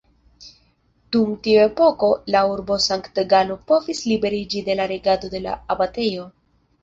Dum tiu epoko la urbo Sankt-Galo povis liberiĝi de la regado de la abatejo.